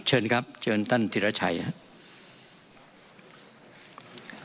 เชิญครับเชิญท่านธิรชัยครับ